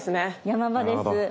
山場です。